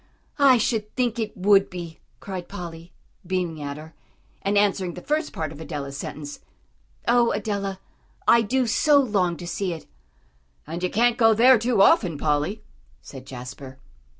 "I should think it would be," cried Polly, beaming at her, and answering the first part of Adela's sentence. "Oh, Adela, I do so long to see it." "And you can't go there too often, Polly," said Jasper.